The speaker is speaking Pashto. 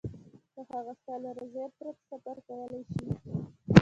خو هغه ستا له رضایت پرته سفر کولای شي.